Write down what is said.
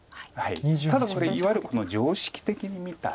ただこれいわゆる常識的に見たら。